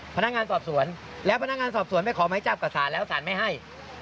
พนักงานสอบสวนแล้วพนักงานสอบสวนไม่ขอไม้จับกับศาลแล้วศาลไม่ให้